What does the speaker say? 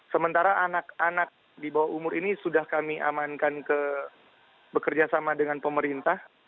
sementara anak anak di bawah umur ini sudah kami amankan bekerja sama dengan pemerintah